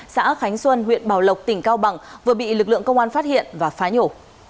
xã khánh xuân huyện bảo lộc tỉnh cao bằng vừa bị lực lượng công an phát hiện và phá nhổ